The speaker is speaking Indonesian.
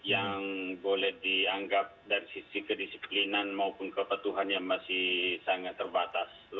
yang boleh dianggap dari sisi kedisiplinan maupun kepatuhan yang masih sangat terbatas